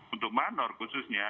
untuk manor khususnya